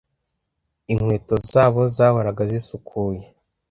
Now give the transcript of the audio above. inkweto zabo zahoraga zisukuye